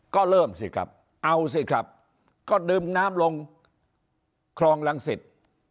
ก็เริ่มสิครับเอาสิครับก็ดึงน้ำลงคลองรังสิต